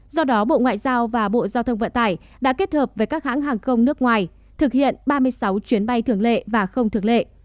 do đó bộ ngoại giao và bộ giao thông vận tải đã kết hợp với các hãng hàng không nước ngoài thực hiện ba mươi sáu chuyến bay thường lệ và không thường lệ